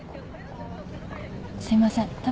すいません。